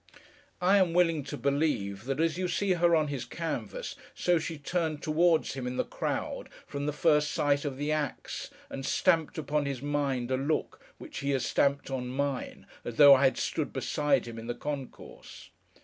I am willing to believe that, as you see her on his canvas, so she turned towards him, in the crowd, from the first sight of the axe, and stamped upon his mind a look which he has stamped on mine as though I had stood beside him in the concourse.